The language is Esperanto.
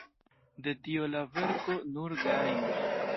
De tio la verko nur gajnos.